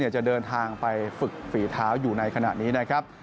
จะเดินทางไปฝึกฝีเท้าอยู่ในขณะนี้นะครับ